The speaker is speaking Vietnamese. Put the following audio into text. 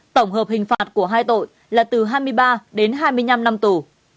tổng hợp hình phạt của hai tội là từ hai mươi ba đến hai mươi năm năm tù